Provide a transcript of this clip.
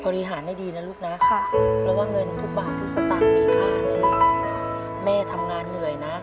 ได้ดีนะลูกนะค่ะเพราะว่าเงินทุกบาททุกสตางค์มีค่านะลูกแม่ทำงานเหนื่อยนะ